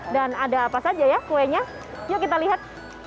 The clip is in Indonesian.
dan ada apa saja ya kuenya yuk kita lihat